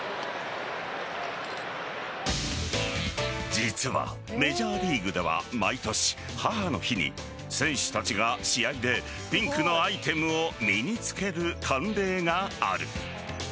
実は、メジャーリーグでは毎年母の日に選手たちが、試合でピンクのアイテムを身に着ける慣例がある。